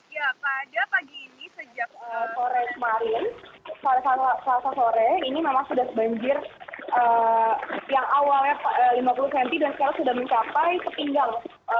ya pada pagi ini sejak sore kemarin selasa sore ini memang sudah banjir yang awalnya lima puluh cm dan sekarang sudah mencapai setinggal